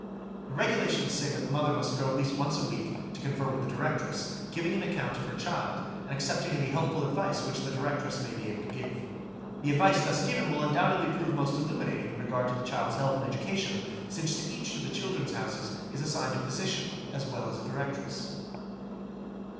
The regulations say that the mother must go at least once a week, to confer with the directress, giving an account of her child, and accepting any helpful advice which the directress may be able to give. The advice thus given will undoubtedly prove most illuminating in regard to the child's health and education, since to each of the "Children's Houses" is assigned a physician as well as a directress.